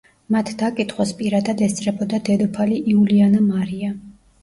მათ დაკითხვას პირადად ესწრებოდა დედოფალი იულიანა მარია.